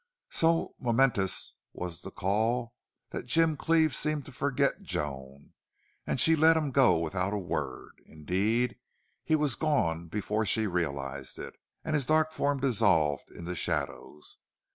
So momentous was the call that Jim Cleve seemed to forget Joan, and she let him go without a word. Indeed, he was gone before she realized it, and his dark form dissolved in the shadows.